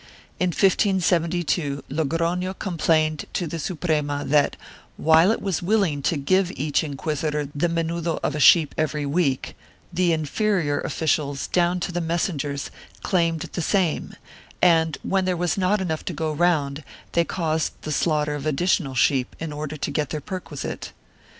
In 1572 Logrono complained to the Suprema that, while it was willing to give to each inquisitor the menudo of a sheep every week, the inferior officials, down to the messengers, claimed the same and, when there was not enough to go round, they caused the slaughter of additional sheep, in order to get their perquisite.